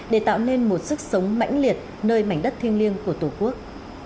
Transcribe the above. để tạo nên một sức sống mãnh liệt nơi mảnh đất thiêng liêng của tổ quốc